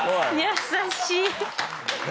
優しい！